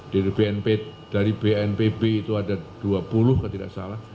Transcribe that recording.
dari bnpb itu ada dua puluh kalau tidak salah